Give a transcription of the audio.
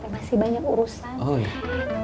masih banyak urusan